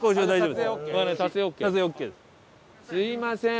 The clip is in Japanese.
すいません。